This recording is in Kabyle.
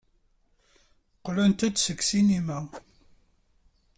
Qqlent-d seg ssinima.